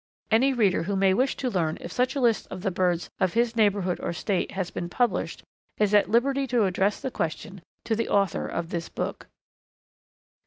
Any reader who may wish to learn if such a list of the birds of his neighbourhood or State has been published is at liberty to address the question to the author of this book.